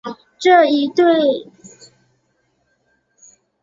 这一决定立即引来外界回响。